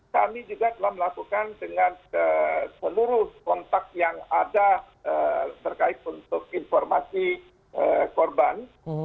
kami juga telah melakukan dengan seluruh kontak yang ada terkait untuk informasi korban